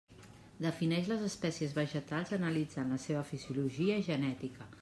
Defineix les espècies vegetals analitzant la seva fisiologia i genètica.